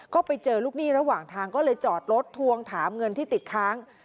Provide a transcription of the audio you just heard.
ก็ไปเจอลูกหนี้ระหว่างทางก็เลยจอดรถทวงถามเงินที่ติดค้าง